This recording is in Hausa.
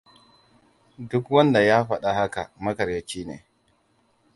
Duk wanda ya faɗa haka makaryaci ne.